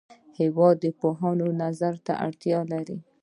هېواد د پوهانو فکر ته اړتیا لري.